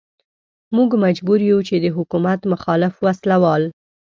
موږ مجبور يو چې د حکومت مخالف وسله وال.